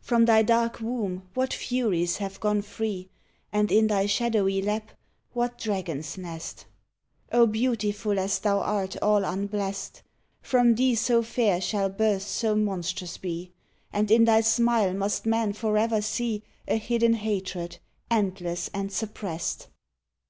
From thy dark womb what furies have gone free And in thy shadowy lap what dragons nest ! O beautiful as thou art all unblest ! From thee so fair shall births so monstrous be, And in thy smile must man forever see A hidden hatred, endless and suj pressed?